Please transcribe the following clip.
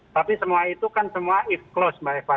tapi semua itu kan semua if close mbak eva